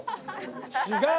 違う！